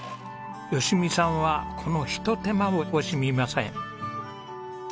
吉美さんはこの一手間を惜しみません。